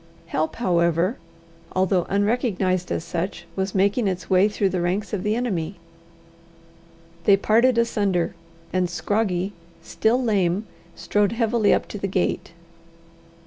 Help, however, although unrecognized as such, was making its way through the ranks of the enemy. They parted asunder, and Scroggie, still lame, strode heavily up to the gate.